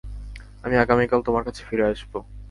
আমি আগামীকাল তোমার কাছে ফিরে আসবো।